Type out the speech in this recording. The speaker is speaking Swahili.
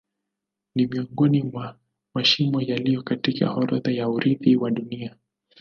Ni miongoni mwa mashimo yaliyo katika orodha ya urithi wa Dunia.